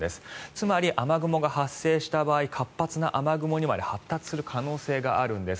つまり雨雲が発生した場合活発な雨雲にまで発達する可能性があるんです。